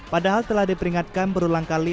padahal telah diperingatkan berulang kali